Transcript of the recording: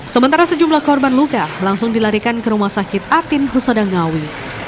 sementara sejumlah korban luka langsung dilarikan ke rumah sakit atin husada ngawi